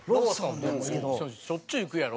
しょっちゅう行くやろ？